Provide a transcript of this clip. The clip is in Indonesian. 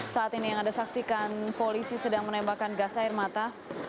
saat ini yang anda saksikan polisi sedang menembakkan gas air mata